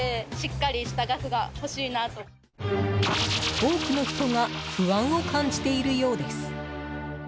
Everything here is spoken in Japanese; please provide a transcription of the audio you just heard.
多くの人が不安を感じているようです。